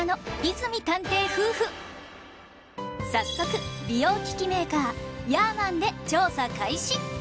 早速美容機器メーカーヤーマンで調査開始